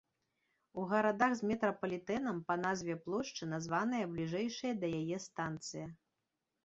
У гарадах з метрапалітэнам па назве плошчы названая бліжэйшая да яе станцыя.